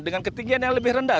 dengan ketinggian yang lebih rendah